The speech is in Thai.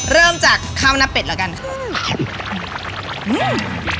เริ่มจากข้าวหน้าเป็ดแล้วกันค่ะ